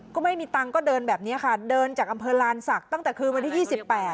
ก็ไม่มีตังค์ก็เดินแบบนี้ค่ะเดินจากอำเภอลานศักดิ์ตั้งแต่คืนวันที่๒๘